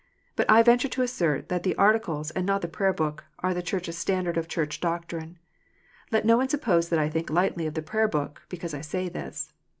But I venture to assert that the Articles, and not the Prayer book, are the Church s standard of Church doctrine. Let no one suppose that I think lightly of the Prayer book, because I say this.